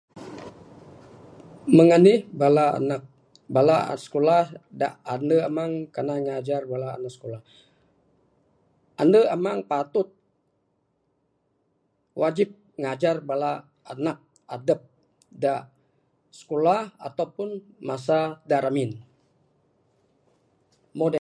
Meng anih bala anak bala sikulah ande amang kanan ngajar bala anak skulah. Ande amang patut wajib ngajar bala anak adep da skulah ato pun masa da ramin.